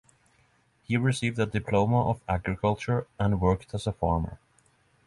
He received a diploma of agriculture, and worked as a farmer.